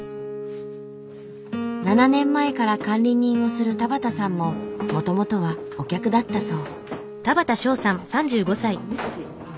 ７年前から管理人をする田畠さんももともとはお客だったそう。